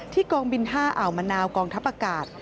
กองบิน๕อ่าวมะนาวกองทัพอากาศ